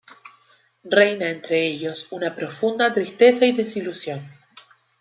Reina entre ellos una profunda tristeza y desilusión.